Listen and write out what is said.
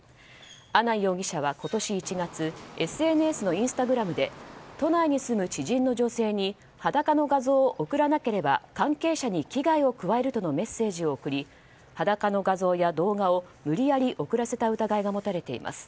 阿南容疑者は今年１月ＳＮＳのインスタグラムで都内に住む知人の女性に裸の画像を送らなければ関係者に危害を加えるとのメッセージを送り裸の画像や動画を無理やり送らせた疑いが持たれています。